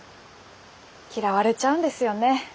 嫌われちゃうんですよね